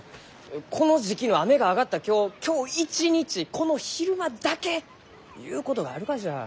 この時期の雨が上がった今日今日一日この昼間だけゆうことがあるがじゃ。